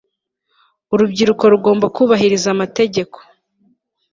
urubyiruko rugomba kubahiriza amategeko